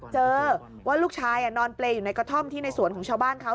เจอว่าลูกชายนอนเปรย์อยู่ในกระท่อมที่ในสวนของชาวบ้านเขา